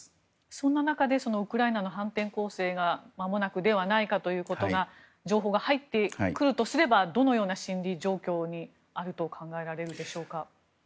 そんな中でウクライナの反転攻勢がまもなくではないかということが情報が入ってくるとすればどのような心理状況にあると考えられるでしょうか。